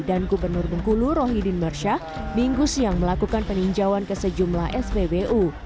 dan gubernur bengkulu rohidin mersyah minggu siang melakukan peninjauan ke sejumlah spbu